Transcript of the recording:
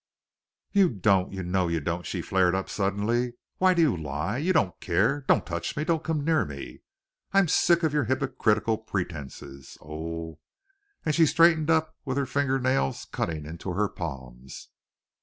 "You don't. You know you don't!" she flared up suddenly. "Why do you lie? You don't care. Don't touch me. Don't come near me. I'm sick of your hypocritical pretences! Oh!" And she straightened up with her finger nails cutting into her palms.